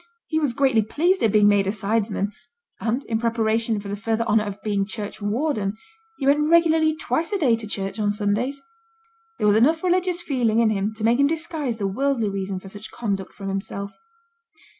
He was greatly pleased at being made a sidesman; and, in preparation for the further honour of being churchwarden, he went regularly twice a day to church on Sundays. There was enough religious feeling in him to make him disguise the worldly reason for such conduct from himself.